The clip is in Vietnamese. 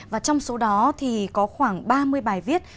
và trong số đó thì có khoảng ba mươi bài viết